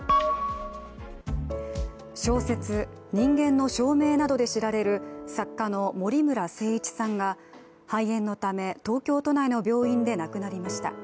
小説「人間の証明」などで知られる作家の森村誠一さんが肺炎のため東京都内の病院で亡くなりました。